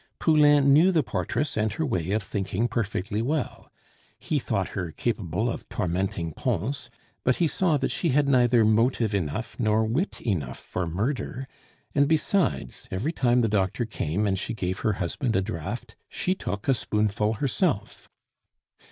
Poulain knew the portress and her way of thinking perfectly well; he thought her capable of tormenting Pons, but he saw that she had neither motive enough nor wit enough for murder; and besides every time the doctor came and she gave her husband a draught, she took a spoonful herself.